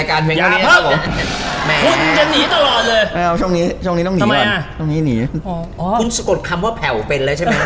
คุณสะกดคำว่าแผ่วเป็นแล้วใช่ไหมครับ